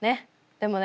でもね